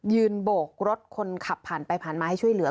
โบกรถคนขับผ่านไปผ่านมาให้ช่วยเหลือ